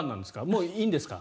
もういいんですか？